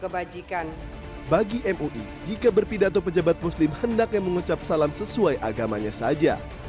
bagi mui jika berpidato pejabat muslim hendaknya mengucap salam sesuai agamanya saja